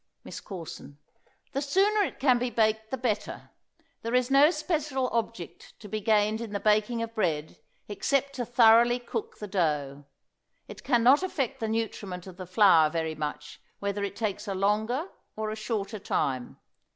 MISS CORSON. The sooner it can be baked the better. There is no special object to be gained in the baking of bread except to thoroughly cook the dough. It can not affect the nutriment of the flour very much whether it takes a longer or a shorter time.